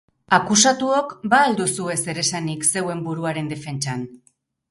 Akusatuok, ba al duzue zeresanik zeuen buruaren defentsan?